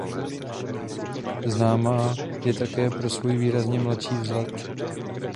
Známá je také pro svůj výrazně mladší vzhled.